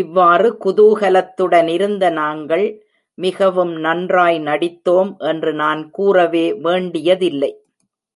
இவ்வாறு குதூஹலத்துடனிருந்த நாங்கள், மிகவும் நன்றாய் நடித்தோம் என்று நான் கூறவே வேண்டியதில்லை.